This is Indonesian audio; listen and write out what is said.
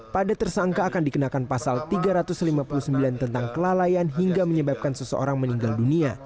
pada tersangka akan dikenakan pasal tiga ratus lima puluh sembilan tentang kelalaian hingga menyebabkan seseorang meninggal dunia